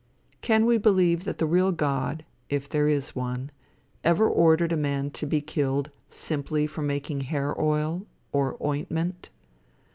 Can we believe that the real God, if there is one, ever ordered a man to be killed simply for making hair oil, or ointment?